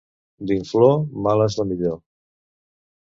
D'inflor, mala és la millor.